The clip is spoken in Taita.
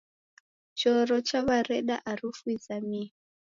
Choro chaw'areda arufu izamie.